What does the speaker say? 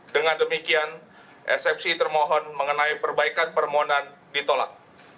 dengan demikian eksepsi termohon mengenai perbaikan permohonan ditolak